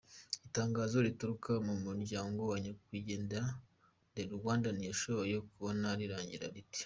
Itangazo rituruka mu muryango wa Nyakwigendera The Rwandan yashoboye kubona riragira riti: